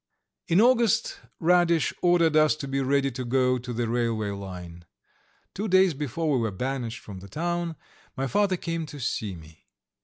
In August Radish ordered us to be ready to go to the railway line. Two days before we were "banished" from the town my father came to see me.